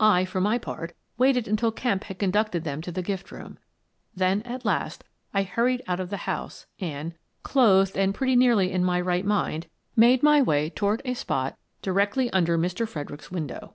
I, for my part, waited until Kemp had conducted them to the gift room. Then, at last, I hurried out of the house and — clothed and pretty nearly in my "N Mr. Fredericks Returns 75 right mind — made my way toward a spot directly under Mr. Fredericks's window.